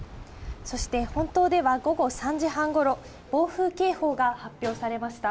そして本島では午後３時半ごろ、暴風警報が発表されました。